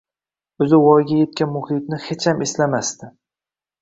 o‘zi voyaga yetgan muhitni hecham eslamasdi.